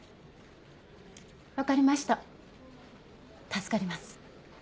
分かりました助かります。